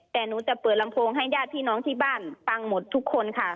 แต่หนูจะเปิดลำโพงให้ญาติพี่น้องที่บ้านฟังหมดทุกคนค่ะ